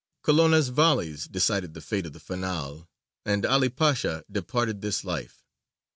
Colonna's volleys decided the fate of the Fanal, and 'Ali Pasha departed this life.